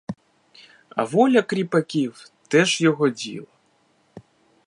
А воля кріпаків — теж його діло.